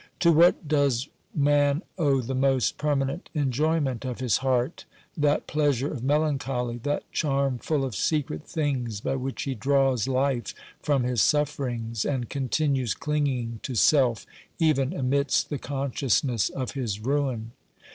To what does man owe the most permanent enjoyment ■of his heart, that pleasure of melancholy, that charm full of secret things by which he draws life from his sufferings and continues clinging to self even amidst the consciousness of his ruin